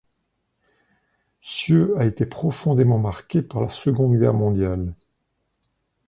Cieux a été profondément marqué par la Seconde Guerre mondiale.